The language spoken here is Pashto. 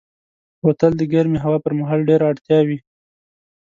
بوتل د ګرمې هوا پر مهال ډېره اړتیا وي.